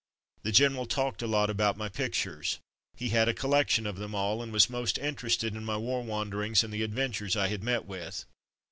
The general talked a lot about my pictures. He had a collection of them all, and was most interested in my war wanderings and the adventures I had met with.